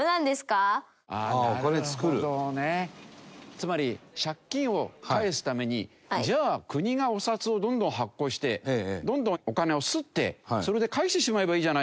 つまり借金を返すためにじゃあ国がお札をどんどん発行してどんどんお金を刷ってそれで返してしまえばいいじゃないかって議論が